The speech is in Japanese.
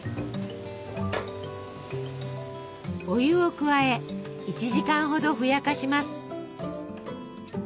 お湯を加え１時間ほどふやかします。